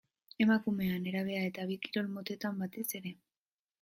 Emakumea, nerabea eta bi kirol motetan batez ere.